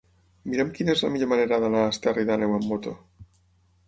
Mira'm quina és la millor manera d'anar a Esterri d'Àneu amb moto.